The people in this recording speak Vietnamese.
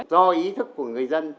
do ý thức của người dân